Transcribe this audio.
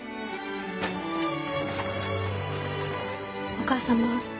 お母様。